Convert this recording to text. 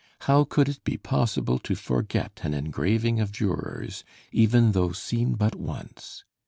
How could it be possible to forget an engraving of Dürer's, even though seen but once?